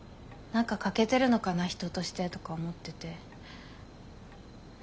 何か欠けてるのかな人としてとか思ってて。